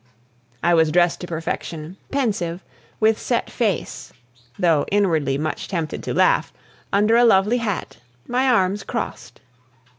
I was dressed to perfection, pensive, with set face (though inwardly much tempted to laugh), under a lovely hat, my arms crossed.